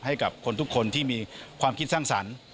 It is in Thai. ให้กับคนทุกคนที่มีความคิดสร้างสรรค์